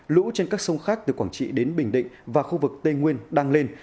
lũ trên các sông khác từ quảng trị đến bình định và khu vực tây nguyên đang lên